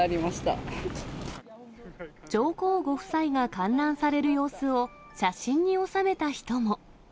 上皇ご夫妻が観覧される様子を写真に収めた人も。